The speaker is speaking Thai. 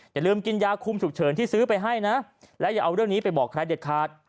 อย่าลืมกินยาคุมฉุกเฉินที่ซื้อไปให้นะและอย่าเอาเรื่องนี้ไปบอกใครเด็ดขาด